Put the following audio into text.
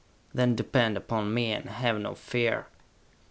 Then depend upon me, and have no fear!"